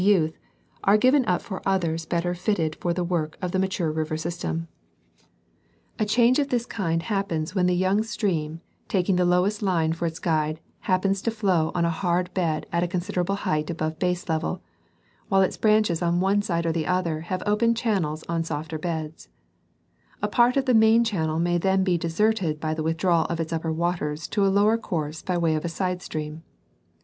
207 youth, are given up for others better fitted for the work of the mature river system, A change of this kind happens when the young stream taking the lowest line for its guide happens to flow on a hard bed at a considerable height above baselevel, while its branches on one side or the other have opened channels on softer beds : a part of the main channel may then be deserted by the withdrawal of its upper waters to a lower course by way of a side stream.